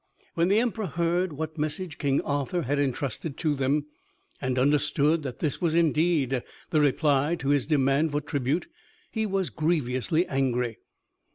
When the Emperor heard what message King Arthur had entrusted to them, and understood that this was indeed the reply to his demand for tribute, he was grievously angry.